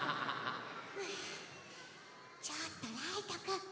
ちょっとライトくん。